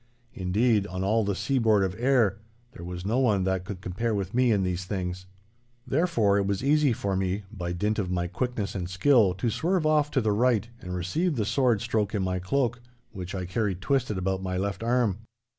Indeed, on all the seaboard of Ayr there was no one that could compare with me in these things. Therefore, it was easy for me, by dint of my quickness and skill, to swerve off to the right and receive the sword stroke in my cloak, which I carried twisted about my left arm.